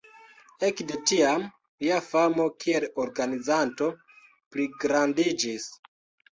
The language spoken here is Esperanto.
Ekde tiam, lia famo kiel organizanto pligrandiĝis.